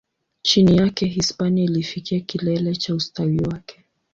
Chini yake, Hispania ilifikia kilele cha ustawi wake.